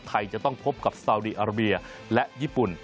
ไทยจะต้องพบกับซาวดีอาราเบียและญี่ปุ่น